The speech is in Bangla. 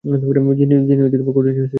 যিনি কঠিন শাস্তিদাতা।